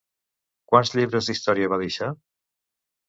Quants llibres d'història va deixar?